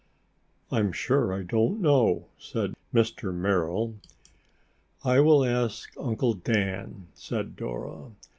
"I'm sure I don't know," said Mr. Merrill. "I will ask Uncle Dan," said Dora.